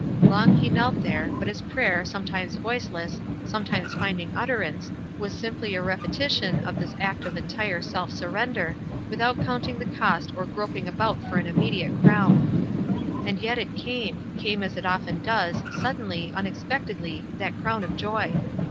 Long he knelt there ; but his prayer, sometimes voiceless, sometimes find in 2 244 WISE AND OTHERWISE. utterance, was simply a repetition of this act of entire self surrender, without counting the cost or groping about for an immediate crown. And yet it came — came as it often does, suddenly, unexpectedly, that crown of joy.